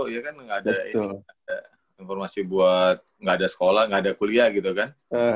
iya kan enggak ada informasi buat enggak ada sekolah enggak ada kuliah gitu kan